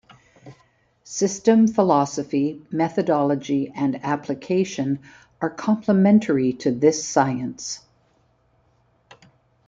System philosophy, methodology and application are complementary to this science.